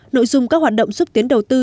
nội dung các hoạt động xúc tiến đầu tư